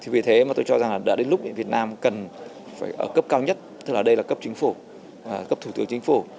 vì thế tôi cho rằng đến lúc việt nam cần ở cấp cao nhất tức là đây là cấp thủ tướng chính phủ